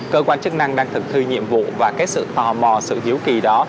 cơ quan chức năng đang thực thi nhiệm vụ và cái sự tò mò sự hiếu kỳ đó